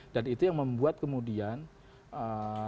dan itu yang membuat kemudian simpati saya